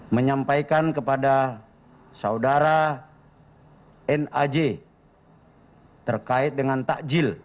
menyampaikan kepada saudara naj terkait dengan takjil